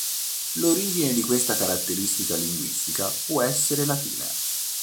L'origine di questa caratteristica linguistica può essere latina.